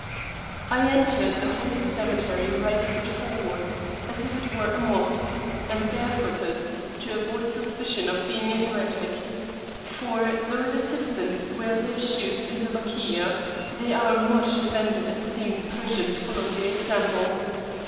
I entered the holy cemetery right foot forwards, as if it were a Mosque, and barefooted, to avoid suspicion of being a heretic. For though the citizens wear their shoes in the Bakia, they are much offended at seeing the Persians follow their example.